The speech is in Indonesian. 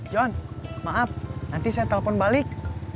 john maaf nanti saya telepon balik